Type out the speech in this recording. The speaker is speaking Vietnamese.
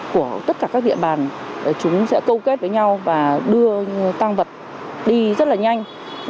của tất cả các địa bàn chúng sẽ câu kết với nhau và đưa tăng vật đi rất là nhanh